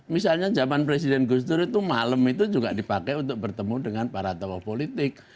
misalnya zaman presiden gus dur itu malam itu juga dipakai untuk bertemu dengan para tokoh politik